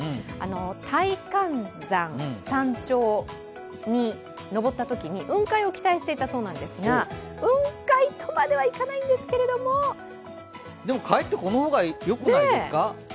大観山山頂に登ったときに雲海を期待していたそうなんですが雲海とまではいかないんですけれどもでも、かえってこの方がよくないですか。